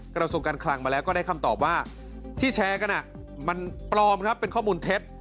กระทรวงการคลังมาแล้วก็ได้คำตอบว่าที่แชร์กันมันปลอมครับเป็นข้อมูลเท็จ